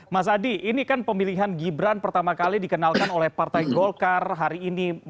mas adi ini kan pemilihan gibran pertama kali dikenalkan oleh partai golkar hari ini